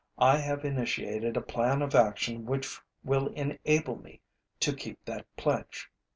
I have initiated a plan of action which will enable me to keep that pledge.